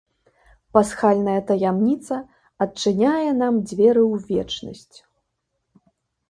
Пасхальная таямніца адчыняе нам дзверы ў вечнасць.